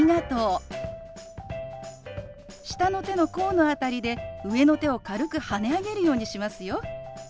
下の手の甲の辺りで上の手を軽くはね上げるようにしますよ。